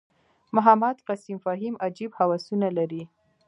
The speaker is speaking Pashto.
محمد قسیم فهیم عجیب هوسونه لري.